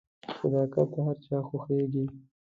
• صداقت د هر چا خوښیږي.